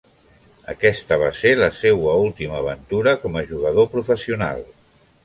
Aquesta va ser la seua última aventura com a jugador professional.